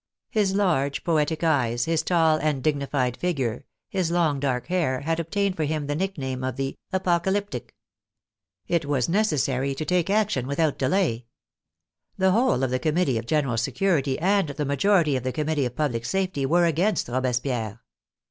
His large, poetic eyes, his tall and dignified figure, his long dark hair, had obtained for him the nickname of the " apoca lyptic." It was necessary to take action without delay. The whole of the Committee of General Security and the majority of the Committee of Public Safety were against Robespierre.